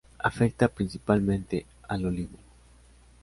Afecta principalmente al olivo.